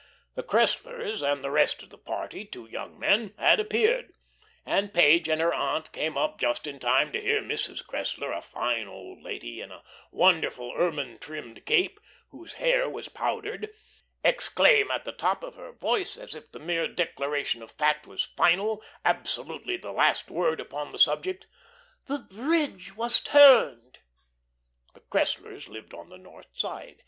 The Cresslers and the rest of the party two young men had appeared, and Page and her aunt came up just in time to hear Mrs. Cressler a fine old lady, in a wonderful ermine trimmed cape, whose hair was powdered exclaim at the top of her voice, as if the mere declaration of fact was final, absolutely the last word upon the subject, "The bridge was turned!" The Cresslers lived on the North Side.